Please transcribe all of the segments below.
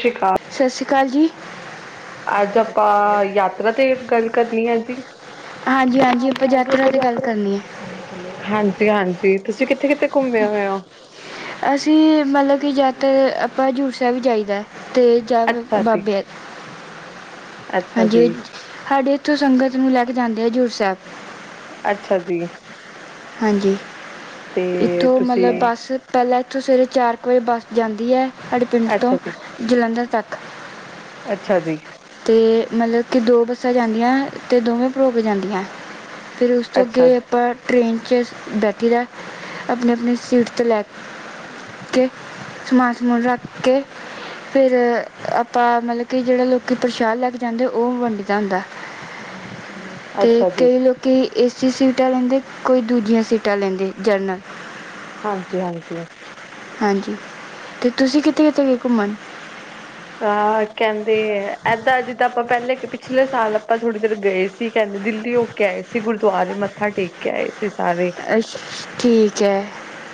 ਸ਼ੀ ਕਾ ਸ ਸ਼੍ਰੀ ਕਾਲ ਜੀ। ਅੱਜ ਆਪਾਂ ਯਾਤਰਾ ਤੇ ਗੱਲ ਕਰਨੀ ਐ ਜੀ? ਹਾਂਜੀ-ਹਾਂਜੀ ਆਪਾਂ ਯਾਤਰਾ ਤੇ ਗੱਲ ਕਰਨੀ ਐ। ਹਾਂਜੀ-ਹਾਂਜੀ ਤੁਸੀਂ ਕਿੱਥੇ-ਕਿੱਥੇ ਘੁੰਮੇ ਹੋਏ ਓ? ਅਸੀਂ ਮਤਲਬ ਕੀ ਜਾ ਤ ਆਪਾਂ ਹਜੂਰਸੈਬ ਈ ਜਾਈਦਾ ਤੇ ਅੱਛਾ [unintelligible] ਜੀ ਬਾਬੇ ਅੱਛਾ ਜੀ ਹਾਂਜੀ ਸਾਡੇ ਇੱਥੋਂ ਸੰਗਤ ਨੂੰ ਲੈ ਕੇ ਜਾਂਦੇ ਆ ਹਜ਼ੂਰ ਸੈਬ। ਅੱਛਾ ਜੀ। ਹਾਂਜੀ ਤੇ ਇੱਥੋਂ ਤੁਸੀਂ ਮਤਲਬ ਬਸ ਪਹਿਲਾਂ ਇੱਥੋਂ ਸਵੇਰੇ ਚਾਰ ਕੁ ਵਜੇ ਬੱਸ ਜਾਂਦੀ ਐ ਸਾਡੇ ਪਿੰਡ ਅੱਛਾ ਤੋਂ ਜੀ ਜਲੰਧਰ ਤੱਕ। ਅੱਛਾ ਜੀ। ਤੇ ਮਤਲਬ ਕੀ ਦੋ ਬੱਸਾਂ ਜਾਂਦੀਆਂ ਤੇ ਦੋਵੇਂ ਭਰੋ ਕੇ ਜਾਂਦੀਐ ਫਿਰ ਉਸ ਉਸ ਤੋਂ ਅੱਛਾ ਅੱਗੇ ਜੀ ਆਪਾਂ ਟ੍ਰੇਨ ਚ ਬੈਠੀ ਦਾ, ਆਪਣੀ-ਆਪਣੀ ਸੀਟ ਤੋਂ ਲੈ ਕੇ ਸਮਾਨ ਸਮੂਨ ਰੱਖ ਕੇ ਫੇਰ ਆਪਾਂ ਮਤਲਬ ਕਿ ਜੇੜੇ ਲੋ ਕੀ ਪ੍ਰਸ਼ਾਦ ਲੈ ਕੇ ਜਾਂਦੇ ਓ ਵੰਡੀ ਦਾ ਹੁੰਦੈ ਤੇ ਅੱਛਾ ਜੀ ਕਈ ਲੋਕ ਕਈ ਏਸੀ ਸੀਟਾ ਲੈਂਦੇ ਕੋਈ ਦੂਜੀਆਂ ਸੀਟਾਂ ਲੈਂਦੇ ਜਰਨਲ। ਹਾਂਜੀ-ਹਾਂਜੀ ਹਾਂਜੀ ਤੇ ਤੁਸੀਂ ਕਿੱਥੇ-ਕਿੱਥੇ ਗਏ ਘੁੰਮਣ? ਆ ਕੈਂਦੇ ਐ ਏਦਾਂ ਜਿੱਦਾਂ ਆਪਾਂ ਪਹਿਲੇ ਕ ਪਿਛਲੇ ਸਾਲ ਆਪਾਂ ਥੋੜ੍ਹੀ ਦੇਰ ਗਏ ਸੀ ਕੈਂਦੇ ਦਿੱਲੀ ਹੋ ਕੇ ਆਏ ਸੀ ਗੁਰਦੁਆਰੇ ਮੱਥਾ ਟੇ ਕ ਆਏ ਸੀ ਸਾਰੇ। ਅੱਛ ਠੀਕ ਹੈ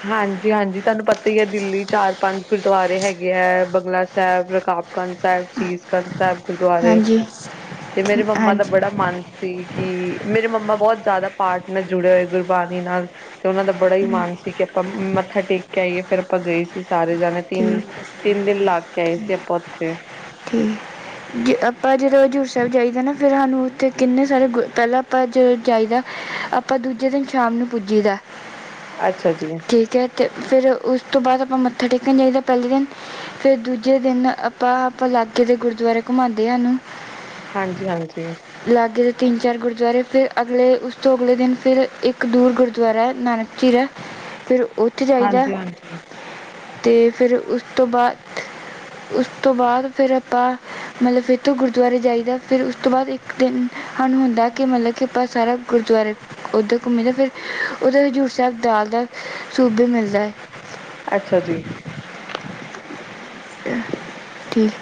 ਹਾਂਜੀ ਹਾਂਜੀ ਤੁਹਾਨੂੰ ਪਤਾ ਈ ਐ ਦਿੱਲੀ ਚਾਰ ਪੰਜ ਗੁਰਦੁਆਰੇ ਹੈਗੇ ਹੈ ਬੰਗਲਾ ਸਾਹਿਬ ਰਕਾਬ ਗੰਜਸਹਿਬ ਸੀਸ ਗੰਜ ਸਾਹਿਬ ਗੁਰਦੁਆਰੇ ਹਾਂਜੀ ਤੇ ਮੇਰੇ ਮੰਮਾ ਦਾ ਹਾਂਜੀ ਬੜਾ ਮਨ ਸੀ ਕੀ ਮੇਰੇ ਮੰਮਾ ਬੋਤ ਜਾਦਾ ਪਾਠ ਨਾਲ ਜੁੜੇ ਹੋਏ ਗੁਰਬਾਣੀ ਨਾਲ ਤੇ ਓਨਾਂ ਦਾ ਬੜਾ ਈ ਮਨ ਸੀ ਕਿ ਆਪਾਂ ਮੱਥਾ ਟੇਕ ਕੇ ਆਈਏ ਫੇਰ ਆਪਾਂ ਗਏ ਸੀ ਸਾਰੇ ਜਾਣੇ ਤਿੰਨ ਠੀਕ ਤਿੰਨ ਦਿਨ ਲਾ ਕੇ ਆਏ ਸੀ ਆਪਾਂ ਉੱਥੇ। ਠੀਕ ਜ ਆਪਾਂ ਜਦੋਂ ਹਜ਼ੂਰ ਸੈਬ ਜਾਈਦੈ ਨਾ ਫੇਰ ਸਾਨੂੰ ਉੱਥੇ ਕਿੰਨੇ ਸਾਰੇ ਗ ਪਹਿਲਾਂ ਆਪਾਂ ਜਦੋਂ ਜਾਈਦਾ ਆਪਾਂ ਦੂਜੇ ਦਿਨ ਸ਼ਾਮ ਨੂੰ ਪੁੱਜੀ ਦਾ। ਅੱਛਾ ਜੀ। ਠੀਕ ਐ ਤੇ ਫਿਰ ਉਸ ਤੋਂ ਬਾਦ ਆਪਾਂ ਮੱਥਾ ਟੇਕਣ ਜਾਈਦਾ ਪੈਲੇ ਦਿਨ ਫਿਰ ਦੂਜੇ ਦਿਨ ਆਪਾਂ ਆਪ ਲਾਗੇ ਦੇ ਗੁਰਦੁਆਰੇ ਘੁਮਾਉਂਦੇ ਸਾਨੂੰ। ਹਾਂਜੀ ਹਾਂਜੀ ਲਾਗੇ ਦੇ ਤਿੰਨ ਚਾਰ ਗੁਰਦੁਆਰੇ ਫਿਰ ਅਗਲੇ ਉਸ ਤੋਂ ਅਗਲੇ ਦਿਨ ਫਿਰ ਇੱਕ ਦੂਰ ਗੁਰਦੁਆਰਾ ਨਾਨਕ ਚੀਰਾ ਫਿਰ ਹਾਂਜੀ ਹਾਂਜੀ ਤੇ ਫਿਰ ਉਸ ਤੋਂ ਬਾਦ ਉਸ ਤੋਂ ਬਾਦ ਫਿਰ ਆਪਾਂ ਮਤਲਬ ਫਿਰ ਤੋਂ ਗੁਰਦੁਆਰੇ ਜਾਈਦਾ ਫਿਰ ਉਸ ਤੋਂ ਬਾਅਦ ਇੱਕ ਦਿਨ ਸਾਨੂੰ ਹੁੰਦਾ ਕਿ ਮਤਲਬ ਕਿ ਆਪਾਂ ਸਾਰਾ। ਗੁਰਦੁਆਰੇ ਉੱਧਰ ਘੁੰਮਦੇ ਫਿਰ ਉੱਧਰ ਹਜ਼ੂਰ ਸਾਹਿਬ ਦਾਲ ਦਾ ਸੂਪ ਵੀ ਮਿਲਦਾ ਹੈ। ਅੱਛਾ ਜੀ। ਠੀਕ।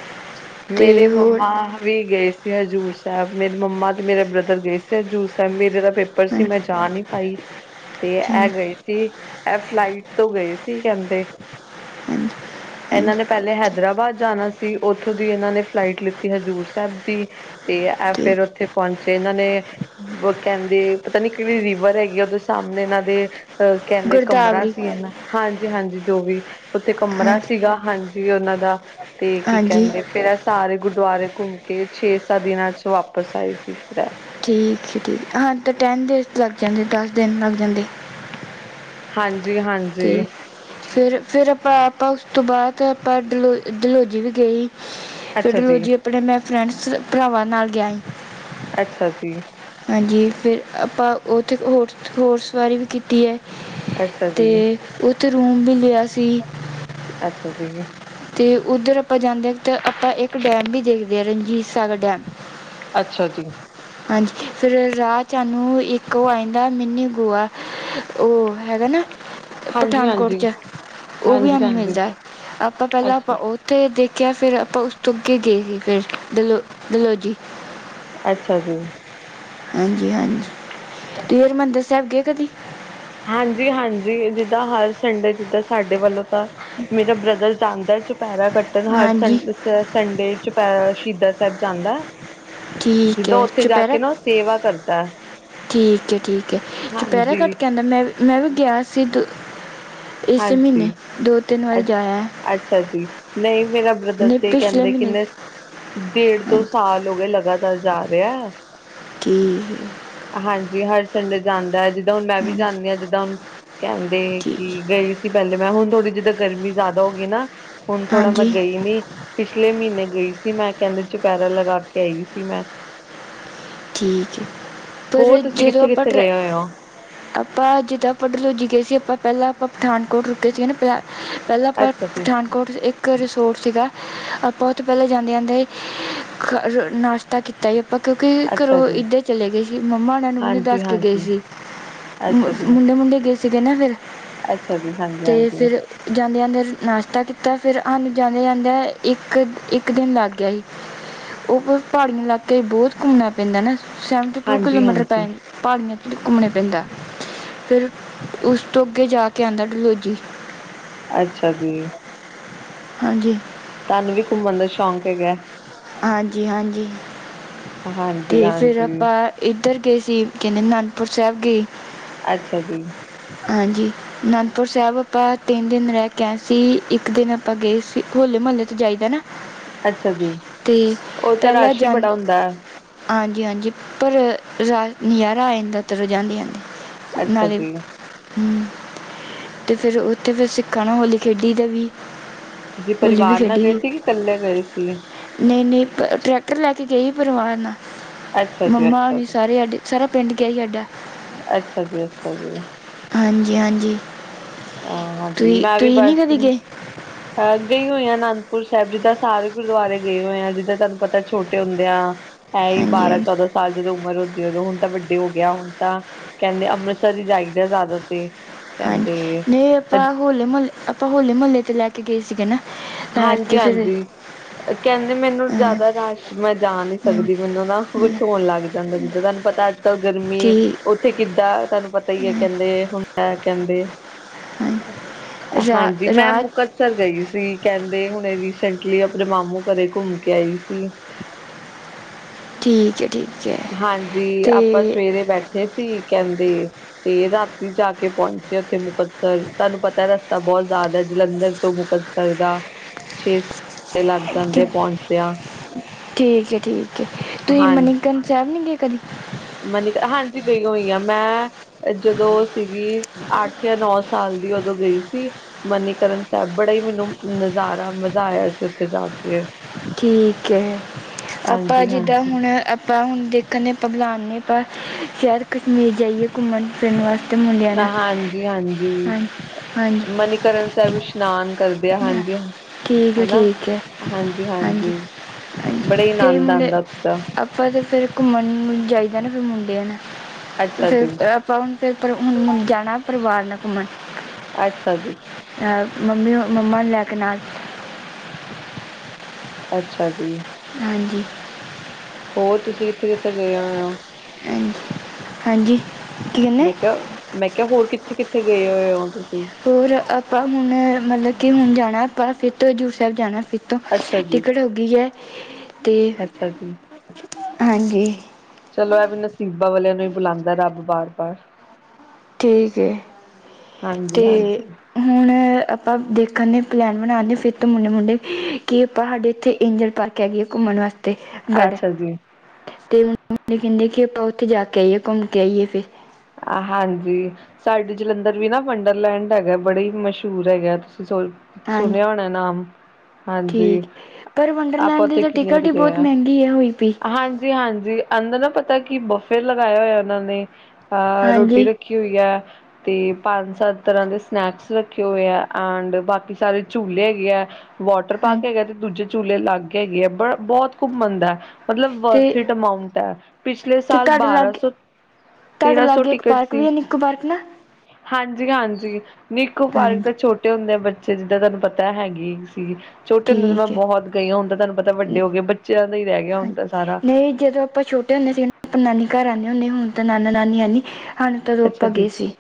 ਮੇਰੇ ਅਤੇ ਹੋਰ ਮੰਮਾ ਵੀ ਗਏ ਸੀ। ਹਜ਼ੂਰ ਸਾਹਿਬ ਮੇਰੀ ਮੰਮਾ ਤੇ ਮੇਰੇ ਬ੍ਰਦਰ ਗਏ ਸੀ ਹਜ਼ੂਰ ਸਾਹਿਬ ਮੇਰੇ ਦਾ ਪੇਪਰ। ਪੇਪਰ ਸੀ ਮੈਂ ਹਾਂਜੀ ਜਾ ਨੀ ਪਾਈ ਤੇ ਇਹ ਗਏ। ਸੀ ਇਹ ਫਲਾਈਟ ਤੋਂ ਗਏ ਸੀ ਕਹਿੰਦੇ। ਹਾਂਜੀ ਹਾਂਜੀ ਇਹਨਾਂ ਨੇ ਪਹਿਲੇ ਹੈਦਰਾਬਾਦ ਜਾਣਾ ਸੀ ਉੱਥੋਂ। ਉਥੋਂ ਦੀ ਇਹਨਾਂ ਨੇ ਫਲਾਈਟ ਲਿੱਤੀ ਹਜ਼ੂਰ ਸਾਹਿਬ ਦੀ ਤੇ ਇਹ ਫੇਰ ਉੱਥੇ ਪਹੁੰਚੇ। ਤੇ ਇਹਨਾਂ ਨੇ ਕਹਿੰਦੇ ਪਤਾ ਨੀ ਕਿਹੜੀ ਰੀਵਰ ਹੈਗੀ ਆ ਉਹਦੇ ਸਾਹਮਣੇ ਇਹਨਾਂ ਦੇ। ਅਹ ਕਹਿੰਦੇ ਕਮਰਾ ਗੁਰਦਾਵਰੀ ਸੀ ਇਹਨਾਂ ਹਾਂਜੀ ਹਾਂਜੀ ਜੋ ਵੀ। ਉੱਥੇ ਕਮਰਾ ਹਾਂਜੀ ਸੀਗਾ ਹਾਂਜੀ ਉਹਨਾਂ ਦਾ ਤੇ ਕੀ। ਹਾਂਜੀ ਕਹਿੰਦੇ ਫੇਰ ਇਹ ਸਾਰੇ ਗੁਰਦੁਆਰੇ ਘੁੰਮ ਕੇ ਛੇ ਸੱਤ ਦਿਨਾਂ 'ਚ ਵਾਪਿਸ ਆਏ ਸੀ ਫਿਰ ਇਹ। ਠੀਕ ਹੈ ਠੀਕ ਹਾਂ ਤਾਂ ਟੈਨ ਡੇਜ਼ ਲੱਗ ਜਾਂਦੇ ਦਸ ਦਿਨ ਲੱਗ ਜਾਂਦੇ। ਹਾਂਜੀ ਹਾਂਜੀ। ਤੇ ਫਿਰ ਫਿਰ ਆਪਾਂ ਆਪਾਂ ਉਸ ਤੋਂ ਬਾਅਦ ਆਪਾਂ ਡਲੋ ਡਲਹੌਜੀ ਵੀ ਗਏ। ਫਿਰ ਅੱਛਾ ਜੀ ਡਲਹੌਜੀ ਆਪਣੇ ਮੈਂ ਫਰੈਂਡ ਭਰਾਵਾਂ ਨਾਲ ਗਿਆ ਸੀ। ਅੱਛਾ ਜੀ। ਹਾਂਜੀ ਫਿਰ ਆਪਾਂ ਉੱਥੇ ਹੋਰ ਹੋਰਸ ਸਵਾਰੀ ਵੀ ਕੀਤੀ ਹੈ। ਅੱਛਾ ਤੇ ਜੀ ਉੱਥੇ ਰੂਮ ਵੀ ਲਿਆ ਸੀ। ਅੱਛਾ ਜੀ ਤੇ ਉੱਧਰ ਆਪਾਂ ਜਾਂਦੇ ਹਾਂ ਤਾਂ ਆਪਾਂ ਇੱਕ ਡੈਮ ਵੀ ਦੇਖਦੇ ਹਾਂ ਰਣਜੀਤ ਸਾਗਰ ਡੈਮ। ਅੱਛਾ ਜੀ। ਹਾਂਜੀ ਫਿਰ ਰਾਹ 'ਚ ਸਾਨੂੰ ਇੱਕ ਉਹ ਆ ਜਾਂਦਾ ਮਿੰਨੀ ਗੋਆ। ਉਹ ਹੈਗਾ ਨਾ ਹਾਂਜੀ ਪਠਾਨਕੋਟ ਹਾਂਜੀ 'ਚ ਉਹ ਵੀ ਹਾਂਜੀ ਸਾਨੂੰ ਹਾਂਜੀ ਮਿਲਦਾ ਹੈ। ਆਪਾਂ ਪਹਿਲਾਂ ਅੱਛਾ ਆਪਾਂ ਅੱਛਾ ਉੱਥੇ ਦੇਖਿਆ ਫਿਰ ਆਪਾਂ ਉਸ ਤੋਂ ਅੱਗੇ ਗਏ ਸੀ ਫਿਰ ਡਲ ਡਲ ਡਲਹੌਜੀ। ਅੱਛਾ ਜੀ। ਹਾਂਜੀ ਹਾਂਜੀ ਤੁਸੀਂ ਹਰਿਮੰਦਰ ਸਾਹਿਬ ਗਏ ਕਦੀ। ਹਾਂਜੀ ਹਾਂਜੀ ਜਿੱਦਾਂ ਹਰ ਸੰਡੇ ਜਿੱਦਾਂ ਸਾਡੇ ਵੱਲੋਂ ਤਾਂ। ਮੇਰਾ ਬ੍ਰਦਰ ਜਾਂਦਾ ਹੈ। ਚੁਪਹਿਰਾ ਕੱਟਣ ਹਰ ਹਾਂਜੀ ਸੰਡੇ। ਤੇ ਉਹ ਸੰਡੇ ਚੁਪਿਹਰਾ ਅਹ ਸ਼ਹੀਦਾਂ ਸਾਹਿਬ ਜਾਂਦਾ ਹੈ। ਠੀਕ ਜਿੱਦਾਂ ਹੈ ਉੱਥੇ ਜਾ ਕੇ ਚੁਪਹਿਰਾ ਨਾ ਉਹ ਸੇਵਾ ਕਰਦਾ ਹੈ। ਠੀਕ ਹੈ ਠੀਕ ਹੈ। ਚੁਪਿਹਰਾ ਕੱਟ ਕੇ ਆਉਂਦਾ ਮੈਂ ਵੀ ਮੈਂ ਵੀ ਗਿਆ ਸੀ। ਇਸੇ ਹਾਂਜੀ ਮਹੀਨੇ ਦੋ ਤਿੰਨ ਅ ਵਾਰੀ ਜਾਇਆ ਹੈ। ਅੱਛਾ ਜੀ ਨਹੀਂ ਮੇਰਾ ਬ੍ਰਦਰ ਤੇ ਇਹ ਪਿਛਲੇ ਕਹਿੰਦੇ ਮਹੀਨੇ ਕਿੰਨੇ। ਡੇਢ ਦੋ ਹਾਂਜੀ ਸਾਲ ਹੋ ਗਏ ਲਗਾਤਾਰ ਜਾ ਰਿਹਾ ਹੈ। ਕੀ। ਹਾਂਜੀ ਹਰ ਸੰਡੇ ਜਾਂਦਾ ਹੈ। ਜਿੱਦਾਂ ਹੁਣ ਮੈਂ ਵੀ ਜਾਂਦੀ ਹਾਂ। ਜਿੱਦਾਂ ਹੁਣ ਕਹਿੰਦੇ ਠੀਕ ਕਿ। ਗਈ ਸੀ ਪਹਿਲੇ ਮੈਂ ਹੁਣ ਥੋੜੀ ਜਿੱਦਾਂ ਗਰਮੀ ਜ਼ਿਆਦਾ ਹੋ ਗਈ ਨਾ ਹੁਣ ਥੋੜਾ ਮੈਂ ਹਾਂਜੀ ਗਈ ਨੀ। ਪਿਛਲੇ ਮਹੀਨੇ ਗਈ ਸੀ ਮੈਂ ਕਹਿੰਦੇ ਚੁਪਿਹਰਾ ਲਗਾ ਕੇ ਆਈ ਸੀ ਮੈਂ। ਠੀਕ ਹੈ ਪਰ ਹੋਰ ਤੁਸੀਂ ਜਦੋਂ ਕਿੱਥੇ ਆਪਾਂ ਕਿੱਥੇ ਟਰੈ। ਗਏ ਹੋਏ ਹੋ ਆਪਾਂ ਜਿੱਦਾਂ ਡਲਹੌਜੀ ਗਏ ਸੀ ਆਪਾਂ ਪਹਿਲਾਂ ਆਪਾਂ ਪਠਾਨਕੋਟ ਰੁੱਕੇ ਸੀ ਨਾ। ਪਹਿਲਾਂ ਆਪਾਂ ਅੱਛਾ ਜੀ ਪਠਾਨਕੋਟ ਇੱਕ ਰਿਸੋਰਸ ਸੀਗਾ। ਆਪਾਂ ਉੱਥੇ ਪਹਿਲੇ ਜਾਂਦੇ ਜਾਂਦੇ ਨਾਸ਼ਤਾ ਕੀਤਾ ਆਪਾਂ ਕਿਉਂਕਿ। ਕਿਉਂਕਿ ਅੱਛਾ ਘਰੋਂ ਜੀ ਇੱਧਰ ਚਲੇ ਗਏ ਸੀ। ਮੰਮਾ ਹੋਣਾ ਨੂੰ ਵੀ ਨੀ ਹਾਂਜੀ ਦੱਸ ਕੇ ਗਏ ਹਾਂਜੀ ਸੀ। ਅੱਛਾ ਜੀ ਮੁੰਡੇ ਮੁੰਡੇ ਗਏ ਸੀਗੇ ਨਾ ਫਿਰ ਅੱਛਾ ਜੀ ਹਾਂਜੀ ਤੇ ਹਾਂਜੀ ਫਿਰ। ਜਾਂਦੇ ਜਾਂਦੇ ਨਾਸ਼ਤਾ ਕੀਤਾ ਫਿਰ ਸਾਨੂੰ ਜਾਂਦੇ ਜਾਂਦੇ ਇੱਕ ਇੱਕ ਦਿਨ ਲੱਗ ਗਿਆ ਸੀ। ਉਹ ਪਹਾੜੀ ਇਲਾਕੇ 'ਚ ਬਹੁਤ ਘੁੰਮਣਾ ਪੈਂਦਾ ਨਾ ਸੈਵਨਟੀ ਟੂ ਹਾਂਜੀ ਕਿਲੋਮੀਟਰ ਪੈ ਹਾਂਜੀ ਜਾਂਦਾ ਪਹਾੜੀਆਂ 'ਚ ਘੁੰਮਣੇ ਪੈਂਦਾ ਫਿਰ ਉਸ ਤੋਂ ਅੱਗੇ ਜਾ ਕੇ ਆਉਂਦਾ ਡਲਹੌਜੀ। ਅੱਛਾ ਜੀ ਹਾਂਜੀ ਤੁਹਾਨੂੰ ਵੀ ਘੁੰਮਣ ਦਾ ਸ਼ੌਕ ਹੈਗਾ ਹਾਂਜੀ ਹਾਂਜੀ ਹਾਂਜੀ ਤੇ ਫਿਰ ਹਾਂਜੀ ਆਪਾਂ ਇੱਧਰ ਗਏ ਸੀ ਕਹਿੰਦੇ ਅਨੰਦਪੁਰ ਸਾਹਿਬ ਗਏ ਅੱਛਾ ਜੀ ਹਾਂਜੀ ਅਨੰਦਪੁਰ ਸਾਹਿਬ ਆਪਾਂ ਤਿੰਨ ਦਿਨ ਰਹਿ ਕੇ ਆਏ ਸੀ ਇੱਕ ਦਿਨ ਆਪਾਂ ਗਏ ਸੀ ਹੋਲੇ ਮਹੱਲੇ ਤੋਂ ਜਾਈਦਾ ਨਾ ਅੱਛਾ ਜੀ ਅਤੇ ਉਹ ਤਾਂ ਪਹਿਲਾਂ ਰਸ਼ ਹੀ ਜਾਂ ਬੜਾ ਹੁੰਦਾ ਹਾਂਜੀ ਹਾਂਜੀ ਪਰ ਰਾਤ ਨਜ਼ਾਰਾ ਆ ਜਾਂਦਾ ਤ ਜਾਂਦੀ ਜਾਂਦੀ ਅੱਛਾ ਜੀ ਹ ਅਤੇ ਫਿਰ ਉੱਥੇ ਫਿਰ ਸਿੱਖਾਂ ਨਾ ਹੋਲੀ ਖੇਡੀ ਦਾ ਵੀ ਤੁਸੀਂ ਹੋਲੀ ਵੀ ਪਰਿਵਾਰ ਨਾਲ ਖੇਡੀ ਗਏ ਦੀ ਸੀ ਕਿ ਇਕੱਲੇ ਗਏ ਸੀ ਨਹੀਂ ਨਹੀਂ ਟਰੈ ਪਤਰ ਲੈ ਕੇ ਗਈ ਸੀ ਪਰਿਵਾਰ ਨਾਲ ਅੱਛਾ ਜੀ ਅੱਛਾ ਮੰਮਾਣੀ ਜੀ ਸਾਰੇ ਅਡੇ ਸਾਰਾ ਪਿੰਡ ਗਿਆ ਹੀ ਸਾਡਾ ਅੱਛਾ ਜੀ ਅੱਛਾ ਜੀ ਹਾਂਜੀ ਹਾਂਜੀ ਆਹ ਹਾਂਜੀ ਤੁਸੀਂ ਮੈਂ ਵੀ ਤੁਸੀਂ ਨਹੀਂ ਬਸ ਕਦੀ ਗਏ ਅਹ ਗਈ ਹੋਈ ਆ ਅਨੰਦਪੁਰ ਸਾਹਿਬ ਜਿੱਦਾਂ ਸਾਰੇ ਗੁਰਦੁਆਰੇ ਗਏ ਹੋਏ ਆ ਜਿੱਦਾਂ ਤੁਹਾਨੂੰ ਪਤਾ ਛੋਟ ਹੁੰਦਿਆਂ ਐ ਹੀ ਹਾਂਜੀ ਬਾਰਾਂ ਹਾਂਜੀ ਚੌਦਾਂ ਸਾਲ ਜਦੋਂ ਉਮਰ ਹੁੰਦੀ ਉਦੋਂ ਹੁਣ ਤਾਂ ਵੱਡੇ ਹੋ ਗਿਆ ਹੁਣ ਤਾਂ ਕਹਿੰਦੇ ਅੰਮ੍ਰਿਤਸਰ ਹੀ ਜਾਈਦਾ ਜ਼ਿਆਦਾ ਤੇ ਕਹਿੰਦੇ ਇਹ ਆਪਾਂ ਹੋਲੇ ਮੁਹੱਲੇ ਆਪਾਂ ਹੋਲੇ ਮੁਹੱਲੇ ਤੇ ਲੈ ਕੇ ਗਏ ਸੀਗੇ ਨਾ ਤਾਂ ਕਰਕੇ ਹਾਂਜੀ ਫਿਰ ਹਾਂਜੀ ਕਹਿੰਦੇ ਮੈਨੂੰ ਹਾਂ, ਜ਼ਿਆਦਾ ਰਸ਼ ਮੈਂ ਜਾ ਨਹੀਂੀ ਹਾਂ, ਸਕਦੀ ਮੈਨੂੰ ਨਾ ਕੁਛ ਹੋਣ ਲੱਗ ਜਾਂਦਾ ਜਿੱਦਾਂ ਤੁਹਾਨੂੰ ਪਤਾ ਅੱਜ ਗਰਮੀ ਠੀਕ ਉੱਥੇ ਕਿੱਦਾਂ ਤੁਹਾਨੂੰ ਪਤਾ ਹੀ ਹੈ ਕਹਿੰਦੇ ਹੁੰਦਾ ਕਹਿੰਦੇ ਹਾਂਜੀ। ਹਾਂਜੀ ਰਾ- ਮੈਂ ਰਾਤ ਮੁਕ ਗਈ ਸੀ ਕਹਿੰਦੇ ਹੁਣੇ ਰੀਸੈਂਟਲੀ ਆਪਣੇ ਮਾਮੂ ਘਰੇ ਘੁੰਮ ਕੇ ਆਈ ਸੀ ਠੀਕ ਹੈ ਠੀਕ ਹੈ ਹਾਂਜੀ ਤੇ ਆਪਾਂ ਸਵੇਰੇ ਬੈਠ ਥੇ ਸੀ ਕਹਿੰਦੇ ਤੇ ਰਾਤੀ ਜਾ ਕੇ ਪਹੁੰਚੇ ਉੱਥੇ ਮੁਕਤਸਰ ਤੁਹਾਨੂੰ ਪਤਾ ਰਸ ਬਹੁਤ ਜ਼ਿਆਦਾ ਜਲੰਧਰ ਤੋਂ ਮੁਕਤਸਰ ਦਾ ਛੇ ਸ ਲੱਗ ਜਾਂਦੇ ਠੀ- ਪਹੁੰਚਦਿਆਂ ਠੀਕ ਠੀਕ ਤੁਸੀਂ ਮਨੀਕਰਨ ਸਾਹਿਬ ਨੀ ਗੇ ਕਦੀ ਮਨੀ ਹਾਂਜੀ ਗਈ ਹੋਈ ਆ ਮੈਂ ਜਦੋਂ ਉਹ ਸੀਗੀ ਅੱਠ ਜਾਂ ਨੌ ਸਾਲ ਦੀ ਉਦੋਂ ਗਈ ਸੀ ਮਨੀਕਰਨ ਸਾਹਿਬ ਬੜਾ ਹੀ ਮੈਨੂੰ ਨਜ਼ਾਰਾ ਮਜ਼ਾ ਆਇਆ ਸੀ ਉੱਥੇ ਜਾ ਕੇ ਠੀਕ ਹੈ ਆਪਾਂ ਹਾਂਜੀ ਜਿੱਦਾਂ ਹਾਂਜੀ ਹੁਣ ਆਪਾਂ ਹੁਣ ਦੇਖਣ ਆਪਾਂ ਬੁਲਾਉਦੇ ਆਪਾਂ ਸ਼ਾਇਦ ਕਸ਼ਮੀਰ ਜਾਈਏ ਘੁੰਮਣ ਫਿਰਨ ਵਾਸਤੇ ਮੁੰਡਿਆਂ ਆ ਨਾਲ ਹਾਂਜੀ-ਹਾਂਜੀ ਹਾਂਜੀ ਹਾਂਜੀ ਮਨੀਕਰਨ ਸਾਹਿਬ ਇਸ਼ਨਾਨ ਕਰਦੇ ਆ ਹਾਂ, ਹਾਂਜੀ, ਠੀਕ ਹੈ ਹਨਾ ਠੀਕ ਹੈ ਹਾਂਜੀ ਹਾਂਜੀ, ਹਾਂਜੀ ਬੜਾ ਹੀ ਕਈ ਆਨੰਦ ਮੁੰਡੇ ਆਉਂਦਾ ਉੱਥੇ ਦਾ ਆਪਾਂ ਤਾਂ ਫਿਰ ਘੁੰਮਣ ਜਾਈਦਾ ਨਾ ਫਿਰ ਮੁੰਡੇ ਨੇ ਅੱਛਾ ਜੀ ਆਪਾਂ ਹੁਣ ਫਿਰ ਹੁਣ ਜਾਣਾ ਪਰਿਵਾਰ ਨਾਲ ਘੁੰਮਣ ਅੱਛਾ ਜੀ ਅਹ, ਮੰਮੀ ਮੰਮਾ ਨੂੰ ਲੈ ਕੇ ਨਾਲ ਅੱਛਾ ਜੀ ਹਾਂਜੀ ਹੋਰ ਤੁਸੀਂ ਕਿੱਥੇ -ਕਿੱਥੇ ਗਏ ਹੋਏ ਹੋ ਹਾਂਜੀ ਕੀ ਕਹਿੰਦੇ ਮੈਂ ਕਿਹਾ, ਮੈਂ ਕਿਹਾ ਹੋਰ ਕਿੱਥੇ- ਕਿੱਥੇ ਗਏ ਹੋਏ ਹੋ ਤੁਸੀਂ ਹੋਰ ਆਪਾਂ ਹੁਣ ਮਤਲਬ ਕਿ ਹੁਣ ਜਾਣਾ ਆਪਾਂ ਫਿਰ ਤੋਂਜ਼ੂ ਸਾਹਿਬ ਜਾਣਾ ਫਿਰ ਤੋਂ, ਅੱਛਾ ਜੀ ਟਿਕਟ ਹੋ ਗਈ ਹੈ ਤੇ ਅੱਛਾ ਜੀ, ਹਾਂਜੀ ਚਲੋ ਇਹ ਵੀ ਨਸੀਬਾਂ ਵਾਲਿਆਂ ਨੂੰ ਹੀ ਬੁਲਾਉਂਦਾ ਰੱਬ ਬਾਰ- ਬਾਰ ਠੀਕ ਹੈ, ਤੇ ਹਾਂਜੀ-ਹਾਂਜੀ, ਹੁਣ ਆਪਾਂ ਦੇਖਣ ਦੇ ਪਲੈਨ ਬਣਾਉਂਦੇ ਫਿਰ ਤੋਂ ਮੁੰਡੇ ਮੁੰਡੇ ਕਿ ਆਪਾਂ ਸਾਡੇ ਇੱਥੇ ਏਂਜਲ ਪਾਰਕ ਕਹਿ ਗਈ ਘੁੰਮਣ ਵਾਸਤੇ ਤੇ ਗੜ੍ਹ, ਅੱਛਾ ਜੀ, ਤੇ ਮੰਮੀ ਕਹਿੰਦੀ ਕਿ ਆਪਾਂ ਉੱਥੇ ਜਾ ਕੇ ਆਈਏ ਘੁੰਮ ਕੇ ਆਈਏ ਫਿਰ ਆ ਹਾਂਜੀ ਸਾਡੇ ਜਲੰਧਰ ਵੀ ਨਾ ਵੰਡਰਲੈਂਡ ਹੈਗਾ ਬੜੇ ਹੀ ਮਸ਼ਹੂਰ ਹੈਗਾ, ਤੁਸੀਂ ਸੋਚ ਹਾਂਜੀ ਸੁਣਿਆ ਹੋਣਾ ਨਾਮ ਹਾਂਜੀ, ਠੀਕ ਪਰ ਆਪਾਂ ਵੰਡਰਲੈਂਡ ਦੀ ਉੱਥੇ ਤਾਂ ਕਿੰਨੀ ਟਿਕਟ ਵਾਰੀ ਹੀ ਗਏ ਬਹੁਤ ਹਾਂ, ਮਹਿੰਗੀ ਹੈ ਹੋਈ ਪਈ ਹਾਂਜੀ ਜੀ ਹਾਂਜੀ, ਅੰਦਰ ਨਾ ਪਤਾ ਕਿ ਬਫ਼ੇ ਲਗਾਇਆ ਹੋਇਆ ਉਹਨਾਂ ਨੇ ਅਹ ਰੋਟੀ ਹਾਂਜੀ ਰੱਖੀ ਕੀ ਹੋਈਆ ਤੇ ਪੰਜ-ਸੱਤ ਤਰ੍ਹਾਂ ਦੇ ਸਨੈਕਸ ਰੱਖੇ ਹੋਏ ਹੈ ਐਂਡ ਬਾਕੀ ਸਾਰੇ ਝੂਲੇ ਹੈਗੇ ਹੈ ਵਾਟਰ ਹਾਂਜੀ ਪਾਰਕ ਹੈਗਾ ਤੇ ਦੂਜੇ ਝੂਲੇ ਲਾਗੇ ਹੈਗੇ ਹੈ ਬ ਬਹੁਤ ਘੁੰਮਣਦਾ ਹੈ ਮਤਲਬ ਤੇ ਵਰਥ ਇਟ ਅਮਾਊਂਟ ਹੈ ਪਿਛਲੇ ਤੇ ਸਾਲ ਤੁਹਾਡੇ ਬਾਰਾਂ ਲਾਗੇ ਸੌ ਤੁਹਾਡੇ ਲਾਗੇ ਇੱਕ ਪਾਰਕ ਵੀ ਹੈ ਨਿੱਕੂ ਪਾਰਕ ਨਾ ਹਾਂਜੀ- ਹਾਂਜੀ ਨਿਕੂ ਪਾਰਕ ਹਾਂਜੀ ਤਾਂ ਛੋਟਾ ਛੋਟੇ ਹੁੰਦੇ ਆ ਬੱਚੇ ਜਿੱਦਾਂ ਤੁਹਾਨੂੰ ਪਤਾ ਹੈਗੀ ਸੀ ਛੋਟੇ ਹੁੰਦੇ ਤਾਂ ਮੈਂ ਠੀਕ ਹੈ ਬਹੁਤ ਗਈ ਹੁੰਦਾ ਤੁਹਾਨੂੰ ਪਤਾ ਵੱਡੇ ਹੋ ਗਏ ਬੱਚਿਆਂ ਦਾ ਹੀ ਰਹਿ ਗਿਆ ਹੁੰਦਾ ਸਾਰਾ ਇਹ ਜਦੋ ਆਪਾਂ ਛੋਟੇ ਹੁੰਦੇ ਸੀ ਆਪਾਂ ਨਾਨੀ ਘਰ ਆਉਂਦੇ ਹੁੰਦੇ ਹੁਣ ਤਾਂ ਨਾਨਾ ਨਾਨੀ ਹੈਨੀ ਹੁਣ ਜਦੋਂ ਅੱਛਾ ਆਪਾਂ ਜੀ। ਗਏ ਸੀ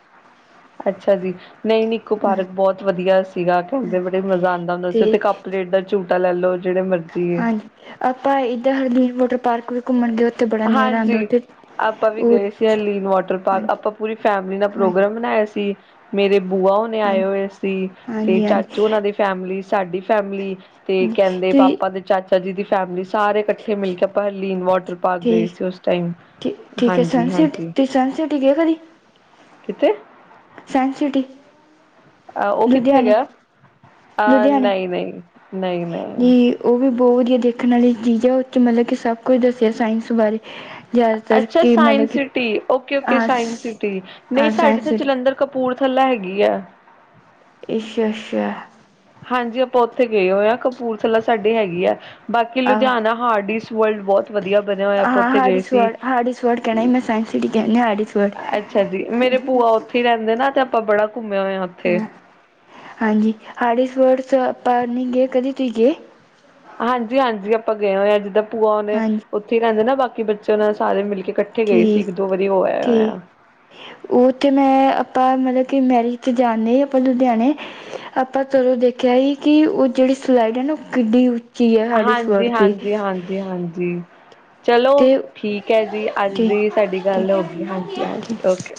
ਅੱਛਾ ਜੀ ਨਹੀਂ ਨਿਕੂ ਪਾਰਕ ਬਹੁਤ ਵਧੀਆ ਸੀਗਾ ਖੇਲਦੇ ਬੜੇ ਮਜ਼ਾ ਆਉਂਦਾ ਹੁੰਦਾ ਤੇ ਸੀ ਉੱਥੇ ਕੱਪਲੇਟ ਦਾ ਝੂਟਾ ਲੈ ਲੋ ਜਿਹੜੇ ਮਰਜ਼ੀ ਹਾਂਜੀ ਆਪਾਂ ਇੱਧਰ ਹਰਦੀਰ ਵੋਟਰ ਪਾਰਕ ਵੀ ਘੁੰਮਣ ਗਏ ਉੱਥੇ ਬੜਾ ਨਜ਼ਾਰਾ ਆਉਂਦਾ ਹਾਂਜੀ। ਉੱਥੇ ਆਪਾਂ ਵੀ ਉਹ ਗਏ ਸੀ ਹਰਲੀਨ ਵਾਟਰ ਪਾਰਕ, ਹਾਂਜੀ ਆਪਾਂ ਪੂਰੀ ਫੈਮਿਲੀ ਨਾਲ ਹਾਂ ਪ੍ਰੋਗਰਾਮ ਬਣਾਇਆ ਸੀ ਮੇਰੇ ਬੂਆ ਉਹਣੇੇ ਆਏ ਹਾਂਜੀ ਹੋਏ ਸੀ ਤੇ ਹਾਂਜੀ ਚਾਚੂ ਉਹਨਾਂ ਹਾਂਜੀ ਦੇ ਫੈਮਿਲੀ ਸਾਡੀ ਫੈਮਿਲੀ ਤੇ ਕਹਿੰਦੇ ਤੁਸੀਂ ਪਾਪਾ ਦੇ ਚਾਚਾ ਜੀ ਦੀ ਫੈਮਿਲੀ ਸਾਰੇ ਇਕੱਠੇ ਮਿਲ ਕੇ ਹਰਲੀਨ ਵਾਲ ਪਾਰਕ ਗਈ ਠੀਕ ਸੀ ਉਸ ਟਾਈਮ, ਠੀ ਠੀਕ ਹੈ ਹਾਂਜੀ- ਸਨਸਿਟੀ ਹਾਂਜੀ ਤੁਸੀਂ ਸਨਸਿਟੀ ਕਿੱਥੇ? ਸਾਇੰਸ ਸਿਟੀ, ਉਹ ਕਿੱਥੇ ਗਿਆ ਅਹ ਲੁਧਿਆਣੇ ਨਹੀਂ ਨਹੀਂ, ਨਹੀਂ ਨਹੀਂ। ਜੀ ਉਹ ਵੀ ਬਹੁਤ ਵਧੀਆ ਦੇਖਣ ਵਾਲੀ ਚੀਜ਼ ਐ ਉਹ 'ਚ ਮਤਲਬ ਕਿ ਸਭ ਕੁਛ ਦੱਸਿਆ ਸਾਇੰਸ ਬਾਰੇ ਜ਼ਿਆਦਾਤਰ ਅੱਛਾ, ਕਿ ਮਤਲਬ ਸਾਇੰਸ ਕਿ ਸਿਟੀ ਓਕੇ ਓਕੇ ਹਾਂ ਸਾਇੰਸ ਸਿਟੀ ਨਹੀਂ ਹਾਂ ਸਾਡੇ ਸਾਇੰਸ ਇੱਥੇ ਸਿਟੀ ਜਲੰਧਰ ਕਪੂਰਥਲਾ ਹੈਗੀ ਆ ਅੱਛਾ-ਅੱਛਾ ਹਾਂਜੀ ਆਪਾਂ ਉੱਥੇ ਗਏ ਹੋਏ ਹਾਂ ਕਪੂਰਥਲਾ ਸਾਡੀ ਹੈਗੀ ਆ ਬਾਕੀ ਆਹੋ ਲੁਧਿਆਣਾ ਹਾਰਡ ਵਰਲਡ ਬਹੁਤ ਵਧੀਆ ਬਣਿਆ ਹੋਇਆ ਆਪਾਂ ਹਾਂ ਉੱਥੇ ਗਏ ਹਾਰਡਿਸ ਸੀ। ਵਰਡ ਹਾਰਡਿਸ ਵਰਡ ਕਹਿਣਾ ਸੀ, ਮੈਂ ਸਾਇੰਸ ਸਿਟੀ ਕਹਿੰਦੇ ਹਾਰਡਿਸ ਵਰਡ ਅੱਛਾ ਜੀ, ਮੇਰੇ ਭੂਆ ਉੱਥੇ ਰਹਿੰਦੇ ਤੇ ਆਪਾਂ ਬੜਾ ਘੁੰਮੇ ਹੋਏ ਆ, ਹਾਂ ਹਾਂਜੀ, [unintelligible] ਆਪਾਂ ਨੀ ਗਏ ਕਦੀ ਤੁਸੀਂ ਗਏ। ਹਾਂਜੀ ਹਾਂਜੀ, ਆਪਾਂ ਗਏ ਹੋਏ ਆ ਜਿੱਦਾਂ। ਭੂਆ ਉਹਨੇ ਹਾਂਜੀ ਉੱਥੇ ਹੀ ਰਹਿੰਦੇ ਨਾ ਬਾਕੀ ਬੱਚੇ ਉਹਨਾਂ ਸਾਰੇ ਮਿਲ ਕੇ ਇਕੱਠੇ ਗਏ ਸੀ ਠੀਕ ਇੱਕ ਦੋ ਵਾਰੀ ਹੋ ਆਏ ਹੋਏ ਆ। ਠੀਕ ਉਹ ਉੱਥੇ ਮੈਂ ਆਪਾਂ ਮਤਲਬ ਕਿ ਮੈਰਿਜ ਤੇ ਜਾਂਦੇ ਆਪਾਂ ਲੁਧਿਆਣੇ ਆਪਾਂ ਚਲੋਂ ਦੇਖਿਆ ਸੀ ਕਿ ਉਹ ਜਿਹੜੀ ਸਲਾਈਡ ਹੈ ਨਾ ਉਹ ਕਿੱਡੀ ਉੱਚੀ ਐ ਹਾਂਜੀ ਸਾਡੀ [unintelligible] ਹਾਂਜੀ ਹਾਂਜੀ ਹਾਂਜੀ, ਚਲੋ ਤੇ ਠੀਕ ਐ ਜੀ, ਅੱਜ ਦੀ ਸਾਡੀ ਠੀਕ ਗੱਲ ਠੀਕ ਹੋ ਗਈ ਹਾਂਜੀ ਹਾਂਜੀ ਠੀਕ ਓਕੇ।